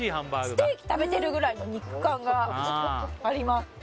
ステーキ食べてるぐらいの肉感があります